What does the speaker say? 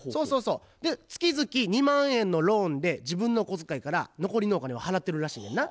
月々２万円のローンで自分の小遣いから残りのお金を払ってるらしいねんな。